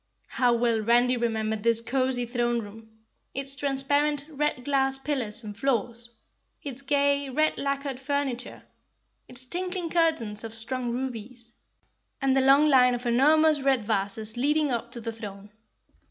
How well Randy remembered this cozy throne room, its transparent, red glass pillars and floors, its gay, red lacquered furniture, its tinkling curtains of strung rubies, and the long line of enormous red vases leading up to the throne.